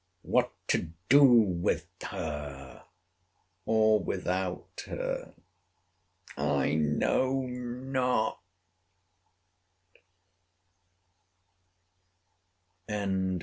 What to do with her, or without her, I know not.